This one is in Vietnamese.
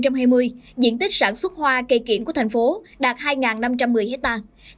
năm hai nghìn hai mươi diện tích sản xuất hoa cây kiển của thành phố đạt hai năm trăm một mươi hectare